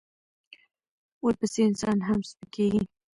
ورپسې انسان هم سپکېږي.